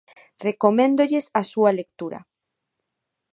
Recoméndolles a súa lectura.